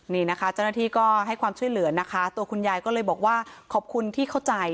นี่นะคะเจ้าหน้าที่ก็ให้ความช่วยเหลือนะคะตัวคุณยายก็เลยบอกว่าขอบคุณที่เข้าใจ